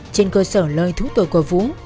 trên cơ sở lời thú tội của vũ